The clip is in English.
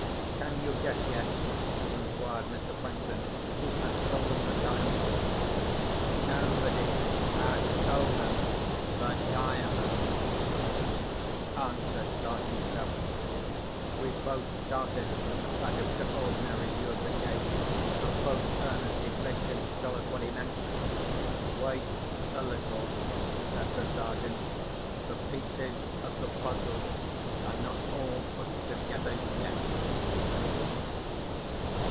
"Can you guess yet," inquired Mr. Franklin, "who has stolen the Diamond?" "Nobody has stolen the Diamond," answered Sergeant Cuff. We both started at that extraordinary view of the case, and both earnestly begged him to tell us what he meant. "Wait a little," said the Sergeant. "The pieces of the puzzle are not all put together yet."